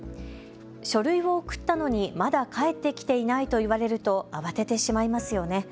書類を送ったのにまだ返ってきていないと言われると慌ててしまいますよね。